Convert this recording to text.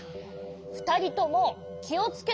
ふたりともきをつけないと！